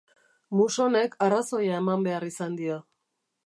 Musonek arrazoia eman behar izan dio.